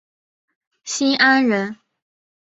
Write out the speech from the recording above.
新安人。